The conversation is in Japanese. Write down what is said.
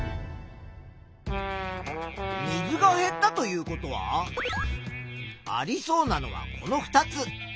水が減ったということはありそうなのはこの２つ。